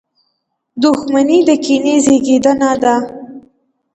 • دښمني د کینې زېږنده ده.